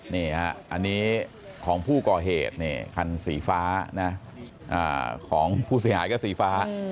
นี่ฮะอันนี้ของผู้ก่อเหตุคันสีฟ้านะของผู้เสียหายก็สีฟ้า